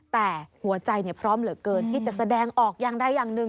แต่หัวใจพร้อมเหลือเกินที่จะแสดงออกอย่างใดอย่างหนึ่ง